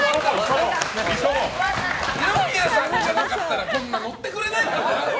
二宮さんじゃなかったらこんな乗ってくれないから。